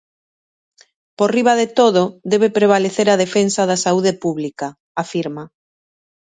"Por riba de todo, debe prevalecer a defensa da saúde pública", afirma.